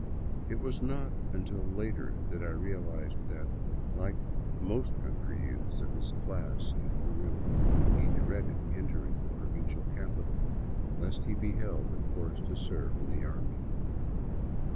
It was not until later that I real ized that, like most country youths of his class in Peru, he dreaded entering the provincial capital, lest he be held and forced to serve in the army.